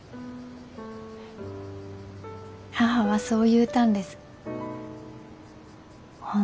母はそう言うたんです。